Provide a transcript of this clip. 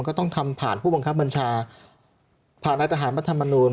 ก็ต้องทำผ่านผู้บังคับบัญชาผ่านรัฐธรรมนูล